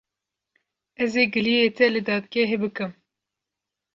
Ez ê giliyê te li dadgehê bikim.